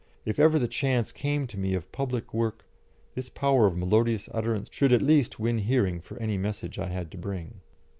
if ever the chance came to me of public work, this power of melodious utterance should at least win hearing for any message I had to bring.